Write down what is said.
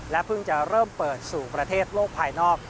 เพิ่งจะเริ่มเปิดสู่ประเทศโลกภายนอก